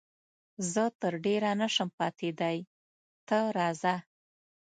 زه تر ډېره نه شم پاتېدای، ته راځه.